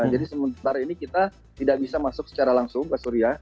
jadi sementara ini kita tidak bisa masuk surga